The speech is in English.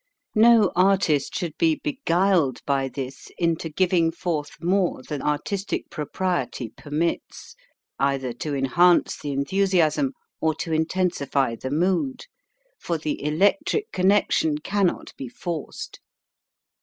No artist should be beguiled by this into giving forth more than artistic propriety per mits, either to enhance the enthusiasm or to intensify the mood ; for the electric connection cannot be forced.